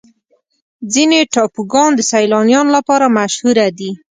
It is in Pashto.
ځینې ټاپوګان د سیلانیانو لپاره مشهوره دي.